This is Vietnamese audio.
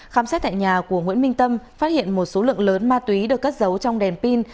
khám xét tại nhà của nguyễn minh tâm phát hiện một số lượng lớn ma túy được cất giấu trong đèn pin